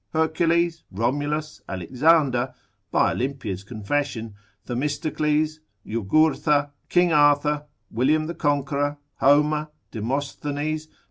Hercules, Romulus, Alexander (by Olympia's confession), Themistocles, Jugurtha, King Arthur, William the Conqueror, Homer, Demosthenes, P.